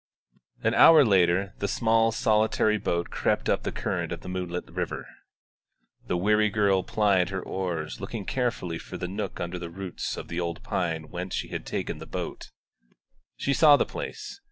An hour later the small solitary boat crept up the current of the moonlit river. The weary girl plied her oars, looking carefully for the nook under the roots of the old pine whence she had taken the boat. She saw the place.